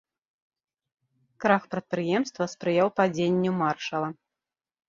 Крах прадпрыемства спрыяў падзенню маршала.